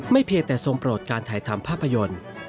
เพียงแต่ทรงโปรดการถ่ายทำภาพยนตร์